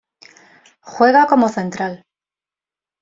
Juega como Central.